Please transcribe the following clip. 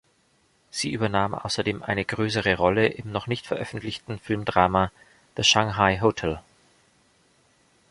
Sie übernahm außerdem eine größere Rolle im noch nicht veröffentlichten Filmdrama "The Shanghai Hotel".